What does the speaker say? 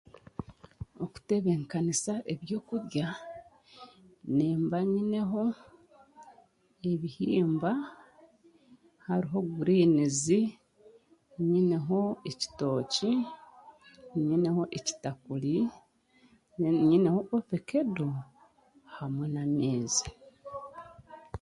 Okutebenkanisa ebyokurya, nimba nyineho, ebihimba, hariho guriinizi, nyineho ekitooki, nyineho ekitakuri, ee nyineho ovakedo hamwe n'ameezi.